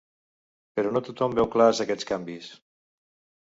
Però no tothom veu clars aquests canvis.